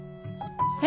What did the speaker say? え？